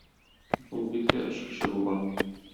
Ул бик тә эчкече булган.